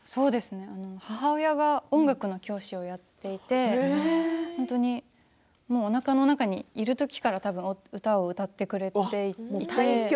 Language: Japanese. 母親が音楽の教師をやっていて本当におなかの中にいるときから歌を歌ってくれていて。